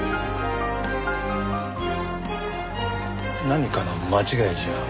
何かの間違いじゃ？